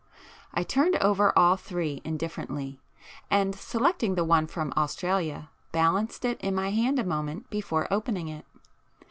I turned over all three indifferently, [p 8] and selecting the one from Australia, balanced it in my hand a moment before opening it.